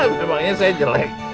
memangnya saya jelek